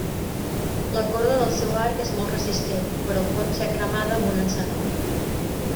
La corda del seu arc és molt resistent, però pot ser cremada amb un encenedor.